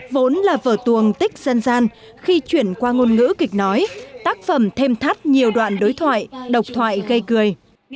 vốn là vở tuồng tích dân gian khi chuyển qua ngôn ngữ kịch nói tác phẩm thêm thắt nhiều đoạn đối thoại độc thoại gây cười